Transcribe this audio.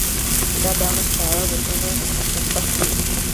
دا د هغه ښکاره او روښانه مصداق دی.